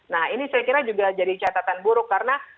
nah ini saya kira juga jadi catatan buruk karena